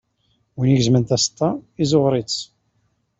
Win igezmen taseṭṭa, izzuɣer-itt.